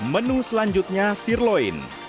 menu selanjutnya sirloin